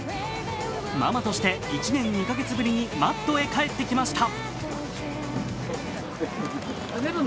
ママとして１年２か月ぶりにマットへ帰ってきました。